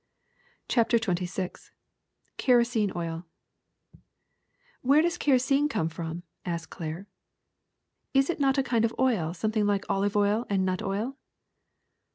'' CHAPTER XXVI KEROSENE OIL. ^'Tli THERE does kerosene come fromf asked V y Claire. ''Is it a kind of oil something like olive oil and nut oil